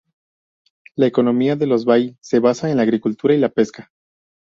La economía de los bai se basa en la agricultura y la pesca.